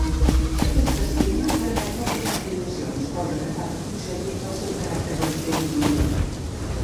Aquest esquema permet poques ampliacions, cosa que fa que conservi el seu caràcter auster primitiu.